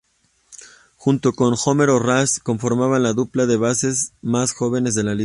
Junto con Homero Rasch, conformaban la dupla de bases más joven de la liga.